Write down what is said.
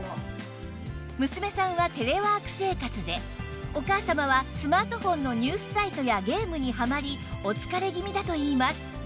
娘さんはテレワーク生活でお母様はスマートフォンのニュースサイトやゲームにハマりお疲れ気味だといいます